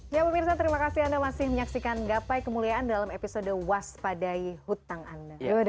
ya pemirsa terima kasih anda masih menyaksikan gapai kemuliaan dalam episode waspadai hutang anda